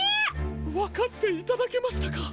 わかっていただけましたか！